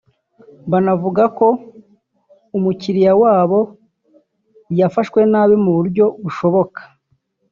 banavuga ko umukiliya wabo yafashwe nabi mu buryo bushoboka